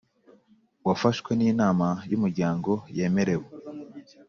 wafashwe n Inama y umuryango yemerewe